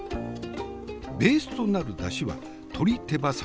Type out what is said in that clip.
ベースとなるダシは鶏手羽先。